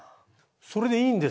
それでいいんです！